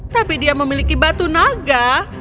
tapi dia memiliki batu naga